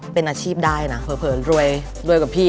เป็นอาชีพได้นะเผลอรวยกับพี่